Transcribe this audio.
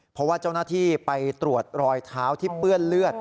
เพราะว่าเจ้าหน้าที่ไปตรวจรอยเท้าที่เปื้อนเลือด